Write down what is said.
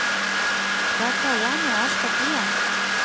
vaca wanu achka tiyan